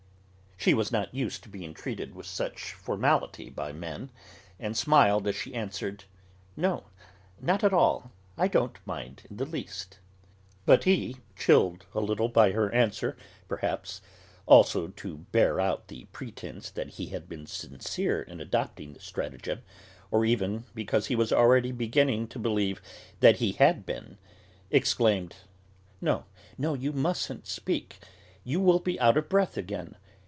She was not used to being treated with so much formality by men, and smiled as she answered: "No, not at all; I don't mind in the least." But he, chilled a little by her answer, perhaps, also, to bear out the pretence that he had been sincere in adopting the stratagem, or even because he was already beginning to believe that he had been, exclaimed: "No, no; you mustn't speak. You will be out of breath again.